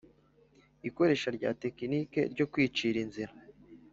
Ikoresha rya tekinike ryo kwicira inzira